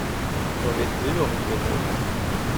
Vad vet du om kvinnor?